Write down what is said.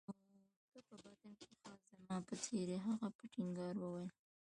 او ته په باطن کې خاص زما په څېر يې. هغه په ټینګار وویل.